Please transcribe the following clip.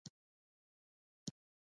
یوازینی سکتور پوځي او فضايي برخه وه.